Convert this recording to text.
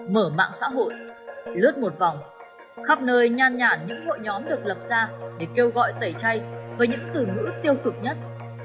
mở mạng xã hội lướt một vòng khắp nơi nhan nhản những hội nhóm được lập ra để kêu gọi tẩy chay với những từ ngữ tiêu cực nhất